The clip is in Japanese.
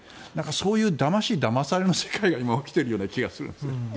そういうだましだまされの世界が今、起きているような気がしますね。